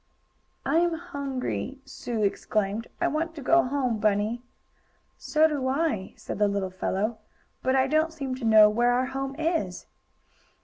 "I'm hungry!" Sue exclaimed. "I want to go home, Bunny!" "So do I," said the little fellow, "but I don't seem to know where our home is."